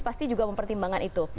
pasti juga mempertimbangkan itu